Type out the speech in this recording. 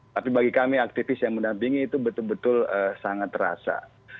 tapi bagi kami aktivis yang mendampingi itu betul betul sangat terasa